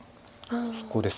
そこです。